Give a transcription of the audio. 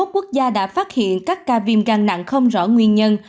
hai mươi một quốc gia đã phát hiện các ca viêm gan nặng không rõ nguyên nhân